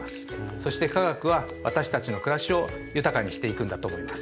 そして化学は私たちの暮らしを豊かにしていくんだと思います。